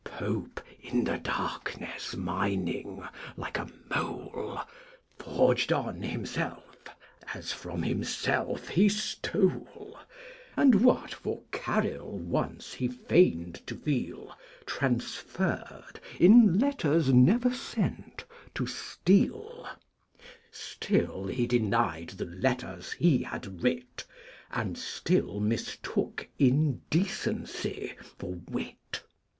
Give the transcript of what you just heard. Pope, in the Darkness mining like a Mole, Forged on Himself, as from Himself he stole, And what for Caryll once he feigned to feel, Transferred, in Letters never sent, to Steele! Still he denied the Letters he had writ, And still mistook Indecency for Wit.